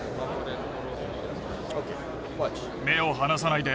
目を離さないで。